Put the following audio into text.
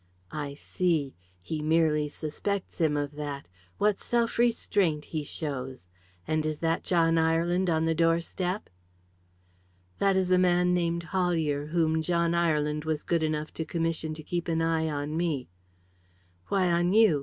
"I see. He merely suspects him of that. What self restraint he shows! And is that John Ireland on the doorstep?" "That is a man named Hollier, whom John Ireland was good enough to commission to keep an eye on me." "Why on you?